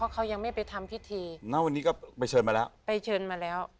ใครเชิญมาแล้ว